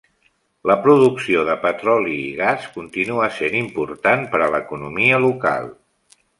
La producció de petroli i gas continua sent important per a l'economia local.